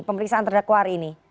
pemeriksaan terdakwa hari ini